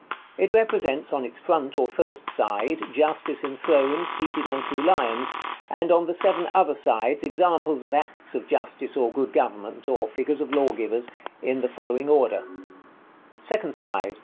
It represents, on its front or first side, Justice enthroned, seated on two lions; and on the seven other sides examples of acts of justice or good government, or figures of lawgivers, in the following order: _Second side.